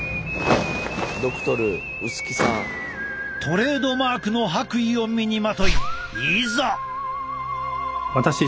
トレードマークの白衣を身にまといいざ。